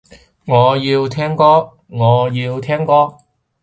我要聽歌，我要聽歌